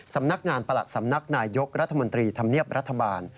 สำนักงานประหลัดสำนักนายยกรัฐมนตรีธรรมเนียบรัฐบาล